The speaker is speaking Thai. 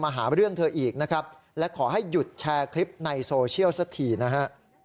หาเรื่องเธออีกนะครับและขอให้หยุดแชร์คลิปในโซเชียลสักทีนะฮะ